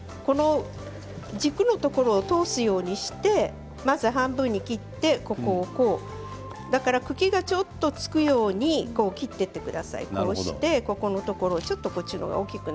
軸のところを通すようにしてまず半分に切って茎がちょっとつくように切っていってください。